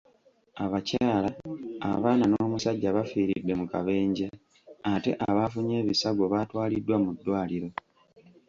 Abakyala, abaana n'omusajja baafiiridde mu kabenje, ate abaafunye ebisago baatwaliddwa mu ddwaliro.